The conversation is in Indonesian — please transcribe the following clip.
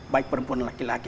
baik perempuan laki laki